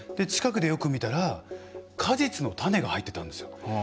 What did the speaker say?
近くでよく見たら果実の種が入ってたんですよ。